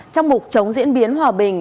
trong mục chống diễn biến hòa bình